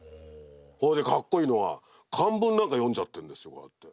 ほいでかっこいいのは漢文なんか読んじゃってるんですよ。